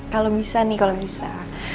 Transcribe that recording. kalau bisa nih kalau bisa